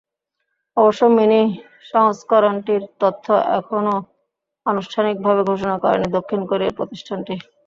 অবশ্য মিনি সংস্করণটির তথ্য এখনও আনুষ্ঠানিকভাবে ঘোষণা করেনি দক্ষিণ কোরিয়ার প্রতিষ্ঠানটি।